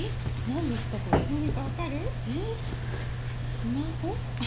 スマホ？